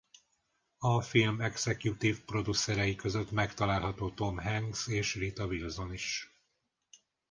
A film executive producerei között megtalálható Tom Hanks és Rita Wilson is.